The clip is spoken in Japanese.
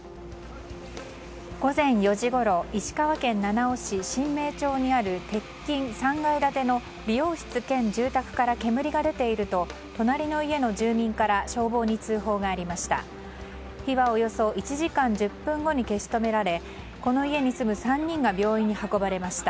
午前４時ごろ石川県七尾市神明町にある鉄筋３階建ての理容室兼住宅から煙が出ていると隣の家の住民から消防に通報がありました。